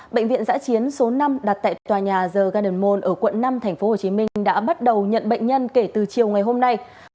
bệnh viện giã chiến số năm đặt tại tòa nhà the garden mone ở quận năm tp hcm đã bắt đầu nhận bệnh nhân kể từ chiều ngày hôm nay